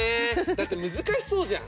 だって難しそうじゃん。